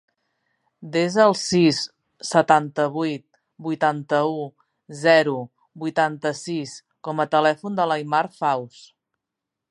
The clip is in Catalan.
Desa el sis, setanta-vuit, vuitanta-u, zero, vuitanta-sis com a telèfon de l'Aimar Faus.